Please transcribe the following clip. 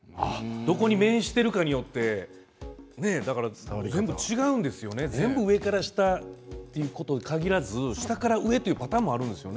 どこに面しているかによって全部違うんですよね、全部上から下ということに限らず下から上というパターンもあるんですね。